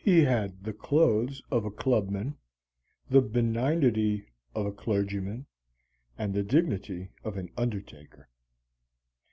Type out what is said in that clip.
He had the clothes of a clubman, the benignity of a clergyman, and the dignity of an undertaker.